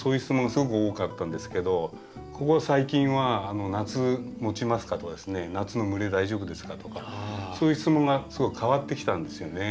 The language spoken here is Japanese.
すごく多かったんですけどここ最近は「夏もちますか？」とかですね「夏の蒸れ大丈夫ですか？」とかそういう質問がすごく変わってきたんですよね。